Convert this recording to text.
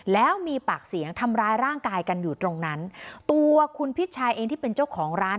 แล้วมีปากเสียงทำร้ายร่างกายกันอยู่ตรงนั้นตัวคุณพิชาเองที่เป็นเจ้าของร้าน